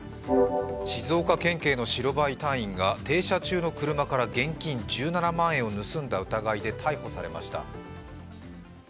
静岡県警の白バイ隊員が停車中の車から現金１７万円を盗んだ疑いで逮捕されました。